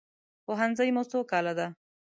پوهنځی مو څو کاله ده؟